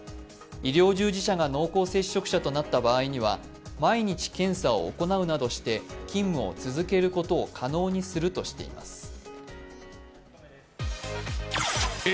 医療従事者が濃厚接触者となった場合には毎日検査を行うなどして勤務を続けることを可能にするとしています。